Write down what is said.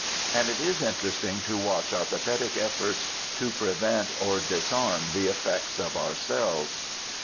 And it is interesting to watch our pathetic efforts to prevent or disarm the effects of ourselves.